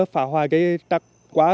và phá hoài cái tắc quả